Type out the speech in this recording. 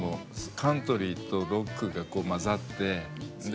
カントリーとロックが混ざってで